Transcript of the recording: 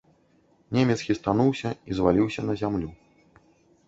Немец хістануўся і зваліўся на зямлю.